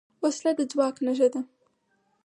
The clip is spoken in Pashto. وسله د ځواک نښه ده